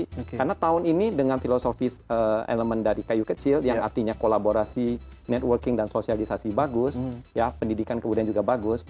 jadi kita mulai tahun ini dengan filosofi elemen dari kayu kecil yang artinya kolaborasi networking dan sosialisasi bagus ya pendidikan kemudian juga bagus